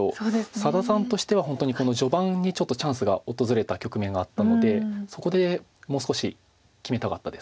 佐田さんとしては本当に序盤にちょっとチャンスが訪れた局面があったのでそこでもう少し決めたかったです。